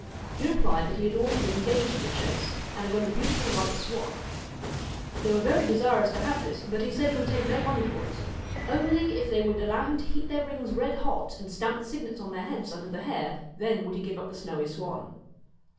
He replied that he had already been engaged DON'T in the chase and had got a beautiful white swan. KNOW They were very desirous to have this, but he said he would take no money for it, only if they would allow him to heat their rings red hot and stamp the signets on their heads, under the hair, then would he give up the snowy swan.